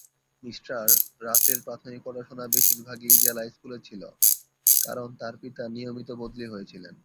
Mr রাতের প্রাথমিক পড়াশোনা বেশিরভাগই জেলা স্কুলে ছিল, কারণ তার পিতা নিয়মিত বদলি হয়েছিলেন।